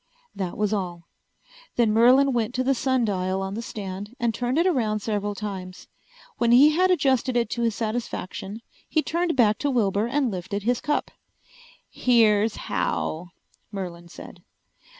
That was all. Then Merlin went to the sun dial on the stand and turned it around several times. When he had adjusted it to his satisfaction he turned back to Wilbur and lifted his cup. "Here's how," Merlin said.